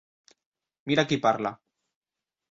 Mira qui parla.